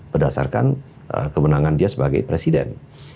berdasarkan kemenangan dia sebagai presiden